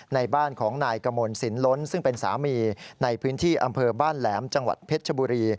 ในบ้านของนายกมลสินล้นซึ่งเป็นสามีในพื้นที่อำเภอบ้านแหลมจังหวัดเพชรชบุรี